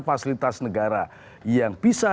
fasilitas negara yang bisa